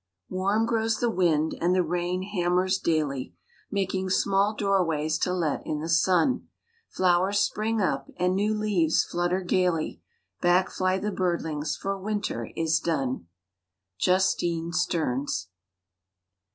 _ Warm grows the wind, and the rain hammers daily, Making small doorways to let in the sun; Flowers spring up, and new leaves flutter gaily; Back fly the birdlings for winter is done. _Justine Sterns.